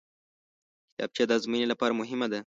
کتابچه د ازموینې لپاره مهمه ده